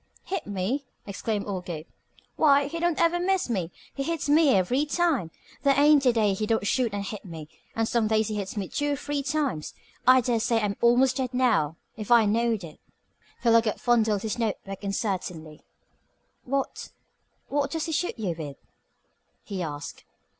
"Hit me?" exclaimed old Gabe. "Why, he don't ever miss me. He hits me every time. There ain't a day he don't shoot and hit me, and some days he hits me two or three times. I dare say I'm almost dead now, if I knowed it." Philo Gubb fondled his notebook uncertainly. "What what does he shoot you with?" he asked.